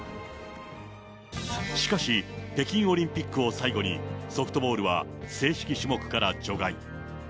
しかし、北京オリンピックを最後に、ソフトボールは正式種目から除外。